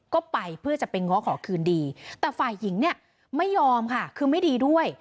ก็ไปเพื่อจะไปง้อขอคืนดีแต่ฝ่ายหญิงเนี่ยไม่ยอมค่ะคือไม่ดีด้วย